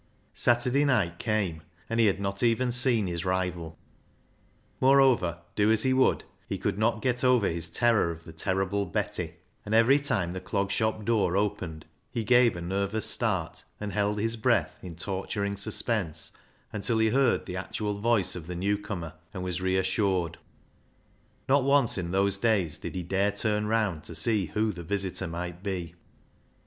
Saturday night came, and he had not even seen his rival. Moreover, do as he would, he could not get over his terror of the terrible Betty, and every time the Clog Shop door opened he gave a nervous start, and held his breath in torturing suspense until he heard the actual voice of the new comer and was reassured. Not once in those days did he dare turn round to see who the visitor might be.